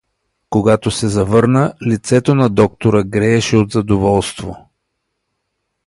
Когато се завърна, лицето на доктора грееше от задоволство.